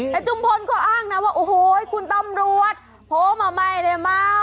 แต่จุมพลก็อ้างนะว่าโอ้โหคุณตำรวจโผล่มาไม่ได้เมา